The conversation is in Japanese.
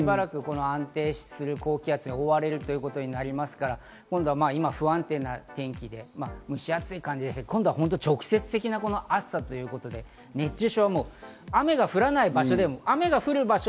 安定する高気圧に覆われることになりますから、今は不安定な天気で蒸し暑い感じですが、今度は直接的な暑さということで、雨が降らない場所でも、雨が降る場所